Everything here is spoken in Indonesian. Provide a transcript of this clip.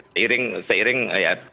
seiring seiring ya